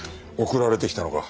送られてきたのか。